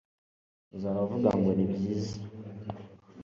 uzahora uvuga ngo nibyiza